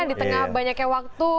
di tengah banyaknya waktu